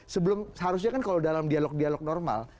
sebelum harusnya kan kalau dalam dialog dialog normal